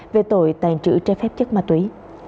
về tội tàn trữ trái phép chất ma túy